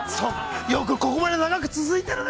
◆よくここまで長く続いてるね。